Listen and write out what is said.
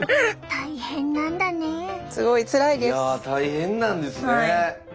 大変なんですね。